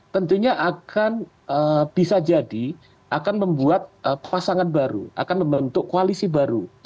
tentunya akan bisa jadi akan membuat pasangan baru akan membentuk koalisi baru